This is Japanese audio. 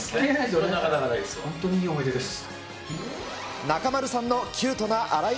本当にいい思い出です。